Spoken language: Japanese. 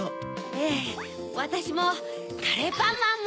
ええわたしもカレーパンマンも！